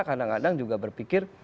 kadang kadang juga berpikir